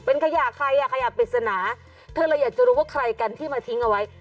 เป็นขยะใครอ่ะขยะปริศนาเธอเลยอยากจะรู้ว่าใครกันที่มาทิ้งเอาไว้